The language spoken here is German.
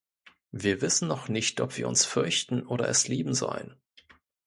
Wir wissen noch nicht, ob wir uns fürchten oder es lieben sollen.